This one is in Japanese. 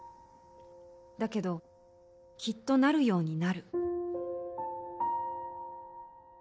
だけどきっとなるようになる。